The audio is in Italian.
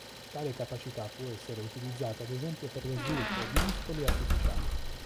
Tale capacità può essere utilizzata ad esempio per lo sviluppo di muscoli artificiali.